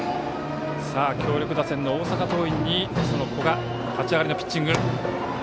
強力打線の大阪桐蔭に、古賀立ち上がりのピッチング。